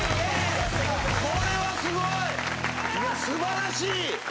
これはすごい！いや素晴らしい！